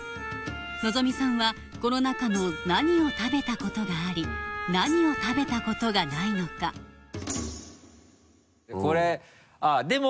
のぞみさんはこの中の何を食べたことがあり何を食べたことがないのかこれあぁでも。